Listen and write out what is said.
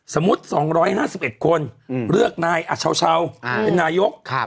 สมมุติ๒๕๑คนเลือกนายชาวเป็นนายก